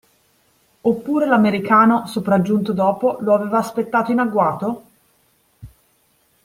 Oppure l'americano, sopraggiunto dopo, lo aveva aspettato in agguato?